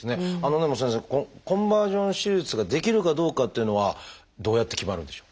でも先生このコンバージョン手術ができるかどうかっていうのはどうやって決まるんでしょう？